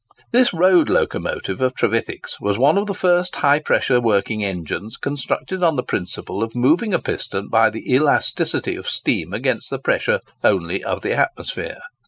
This road locomotive of Trevithick's was one of the first high pressure working engines constructed on the principle of moving a piston by the elasticity of steam against the pressure only of the atmosphere.